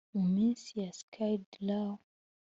munsi ya skid row